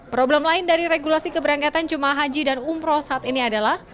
problem lain dari regulasi keberangkatan jemaah haji dan umroh saat ini adalah